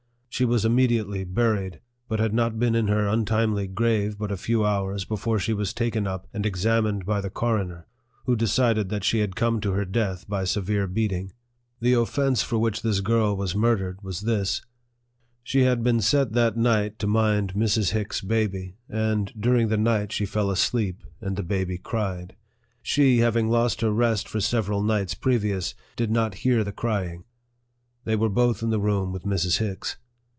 She was immediately buried, but had not been in her untimely grave but a few hours before she was taken up and examined by the coroner, who decided that she had come to her death by severe beating. The offence for which this girl was thus murdered was this : She had been set that night to mind Mrs. Hick's baby LIFE OF FREDERICK DOUGLASS. 25 and during the night she fell asleep, and the baby cried. She, having lost her rest for several nights pre vious, did not hear the crying. They were both in the room with Mrs. Hicks.